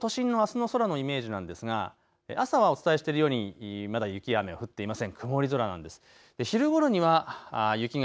こちらも積もる可能性がありまして、東京都心のあすの空のイメージなんですが、朝はお伝えしているようにまだ雪や雨が降っていません。